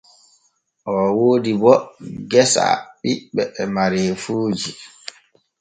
Oo woodi bo gesa ɓiɓɓe e mareefuuji.